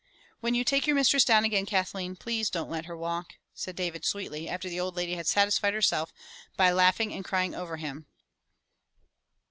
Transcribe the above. *'When you take your mistress down again, Kathleen, please don't let her walk," said David sweetly, after the old lady had satisfied herself by laughing and crying over him.